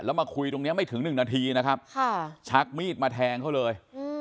แล้วมาคุยตรงนี้ไม่ถึงหนึ่งนาทีนะครับชักมีดมาแทงเขาเลย